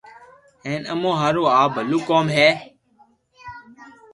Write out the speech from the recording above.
ھين امو ھارون آ بلو ڪوم ھي